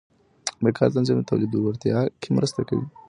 د کار تنظیم د تولید لوړتیا کې مرسته کوي.